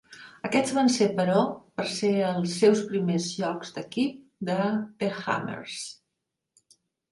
Aquests van ser, però, per ser els seus primers jocs d'equip de "The Hammers".